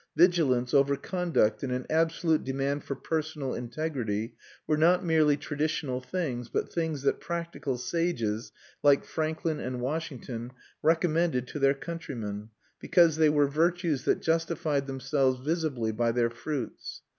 Vigilance over conduct and an absolute demand for personal integrity were not merely traditional things, but things that practical sages, like Franklin and Washington, recommended to their countrymen, because they were virtues that justified themselves visibly by their fruits.